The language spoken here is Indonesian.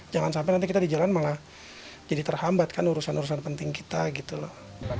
jangan sampai nanti kita di jalan malah jadi terhambat kan urusan urusan penting kita gitu loh